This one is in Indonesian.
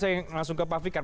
saya langsung ke pak fikar